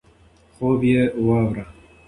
خوب یې واوره.